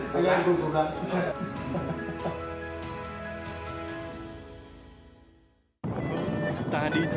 đập tay đục tay